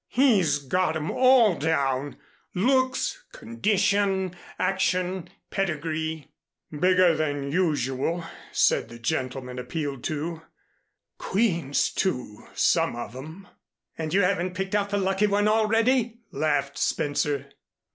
"He's got 'em all down, looks, condition, action, pedigree " "Bigger than usual," said the gentleman appealed to, "queens, too, some of 'em." "And have you picked out the lucky one already?" laughed Spencer.